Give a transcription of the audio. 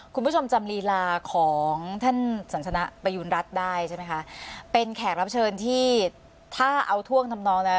คุณผู้ชมจำลีลาของท่านสันสนะประยูณรัฐได้ใช่ไหมคะเป็นแขกรับเชิญที่ถ้าเอาท่วงทำนองแล้ว